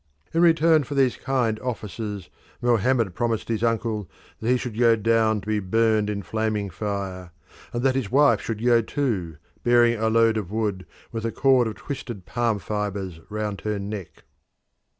In return for these kind offices Mohammed promised his uncle that he should go down to be burned in flaming fire, and that his wife should go too, bearing a load of wood, with a cord of twisted palm fibres round her neck.